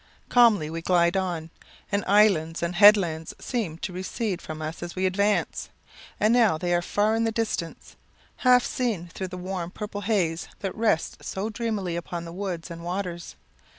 Calmly we glide on, and islands and headlands seem to recede from us as we advance; and now they are far in the distance, half seen through the warm purple haze that rests so dreamily upon woods and waters.